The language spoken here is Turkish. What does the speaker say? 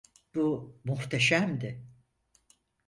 Bu muhteşemdi!